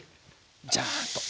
ジャーッと。